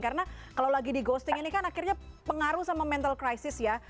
karena kalau lagi di ghosting ini kan akhirnya pengaruh sama mental crisis ya